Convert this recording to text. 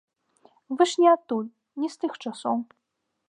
Вы ж не адтуль, не з тых часоў.